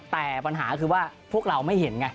แต่ปัญหาคือว่าพวกเราไม่เห็นไง